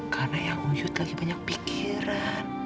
karena yang yud lagi banyak pikiran